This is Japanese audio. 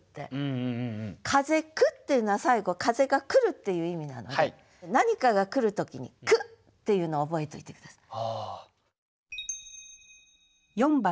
「風来」っていうのは最後風が来るっていう意味なので何かが来る時に「来」っていうのを覚えといて下さい。